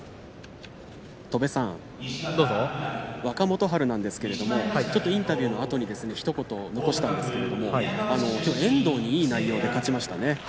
若元春なんですけれどもちょっとインタビューのあとにひと言残したんですけれどもきょう遠藤にいい内容で勝ちましたね。